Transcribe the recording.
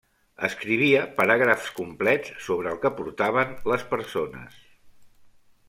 Escrivia paràgrafs complets sobre el que portaven les persones.